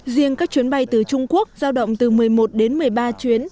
riêng các chuyến bay từ trung quốc giao động từ một mươi một đến một mươi ba chuyến